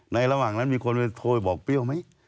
ระหว่างนั้นมีคนโทรไปบอกเปรี้ยวไหม